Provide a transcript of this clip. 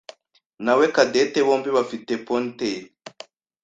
nawe Cadette bombi bafite ponytail.